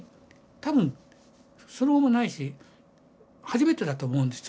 多分その後もないし初めてだと思うんですよ